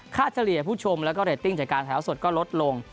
เฉลี่ยผู้ชมแล้วก็เรตติ้งจากการแถวสดก็ลดลง